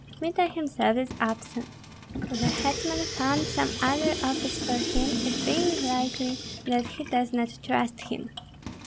Kmita himself is absent. The hetman found some other office for him; it being likely that he does not trust him.